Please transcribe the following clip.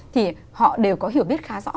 thì họ đều có hiểu biết khá rõ